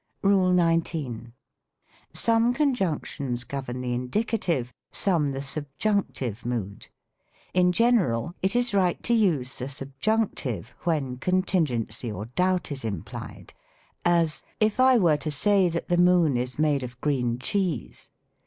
RULE XIX. Some conjunotions govern the indicative ; some the tjubjunctive mood. In general, it is right to use the 06 THE COMIC ENGLISH GRAMMAR. subjunctive, when contingency or doubt is implied : as, '^ If I were to say that the moon is made of green cheese."